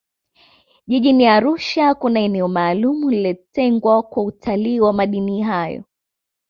jijini arusha kuna eneo maalumu lililotengwa kwa utalii wa madini hayo